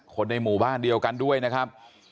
ในหมู่บ้านเดียวกันด้วยนะครับ